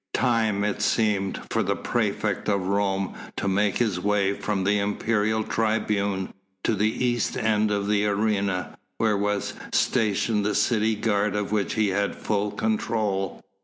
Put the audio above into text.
Time, it seems, for the praefect of Rome to make his way from the imperial tribune to the east end of the arena, where was stationed the city guard of which he had full control!